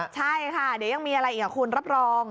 ใช่ค่ะเดี๋ยวยังมีอะไรอีกคุณรับรอง